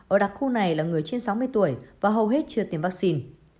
ở đặc khu này là người trên sáu mươi tuổi và hầu hết chưa tiêm vaccine